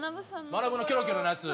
まなぶのキョロキョロのやつ？